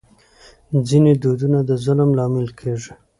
ځینې دودونه د ظلم لامل کېږي.